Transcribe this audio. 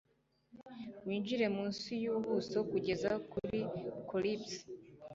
Winjire munsi yubuso kugeza kuri corps